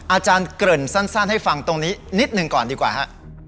อาจารย์เกริ่นสั้นให้ฟังตรงนี้นิดหนึ่งก่อนดีกว่าฮะ